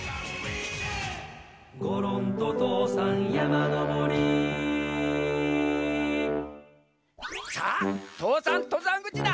「ごろんととうさんやまのぼり」さあ父山とざんぐちだ。